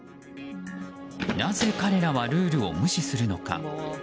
なぜ彼らはルールを無視するのか。